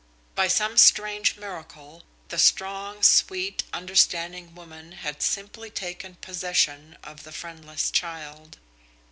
By some strange miracle, the strong, sweet, understanding woman had simply taken possession of the friendless child.